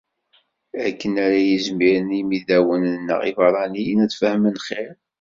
Akken ara izmiren yimidawen-nneɣ ibeṛṛaniyen ad fehmen xir.